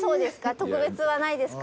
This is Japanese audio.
特別はないですか？」